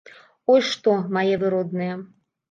Ось што, мае вы родныя.